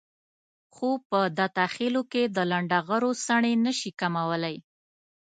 خو په دته خېلو کې د لنډغرو څڼې نشي کمولای.